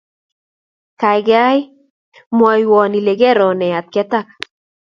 Kaikai mwoiwo ile kero nee atketak